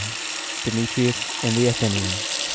DEMETRIUS AND THE ATHENIANS.